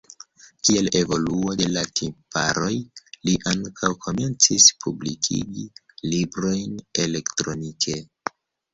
Kiel evoluo de la tiparoj li ankaŭ komencis publikigi librojn elektronike.